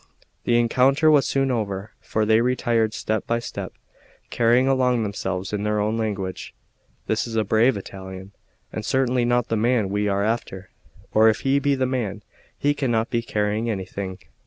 The encounter was soon over; for they retired step by step, saying among themselves in their own language: "This is a brave Italian, and certainly not the man we are after; or if he be the man, he cannot be carrying anything."